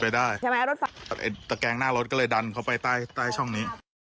ตะแกงหน้ารถก็เลยดันเขาไปใต้ช่องนี้